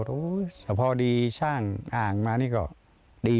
หนูเฉพาะดีช่างอ่างมานี่ก็ดี